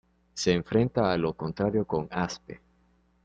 Se enfrenta a lo contrario con Aspe.